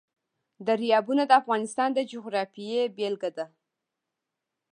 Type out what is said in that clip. دریابونه د افغانستان د جغرافیې بېلګه ده.